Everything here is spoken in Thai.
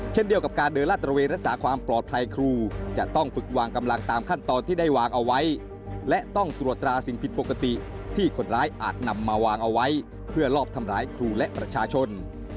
เช่นเดียวกับการเดินลาดตระเวนรักษาความปลอดภัยครูจะต้องฝึกวางกำลังตามขั้นตอนที่ได้วางเอาไว้และต้องตรวจตราสิ่งผิดปกติที่คนร้ายอาจนำมาวางเอาไว้เพื่อลอบทำร้ายครูและประชาชน